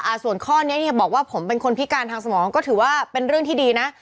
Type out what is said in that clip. ส่วนข้อนี้ที่บอกว่าผมเป็นคนพิการทางสมองก็ถือว่าเป็นเรื่องที่ดีนะ